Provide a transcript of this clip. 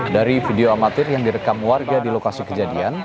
dari video amatir yang direkam warga di lokasi kejadian